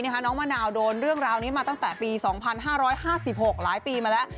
น้องมะนาวโดนเรื่องราวนี้มาตั้งแต่ปี๒๕๕๖หลายปีมาแล้ว